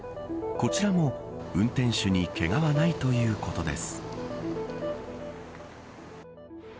こちらも運転手にけがはないということです。